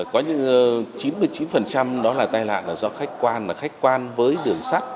có những chín mươi chín đó là tai nạn là do khách quan khách quan với đường sắt